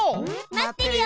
待ってるよ！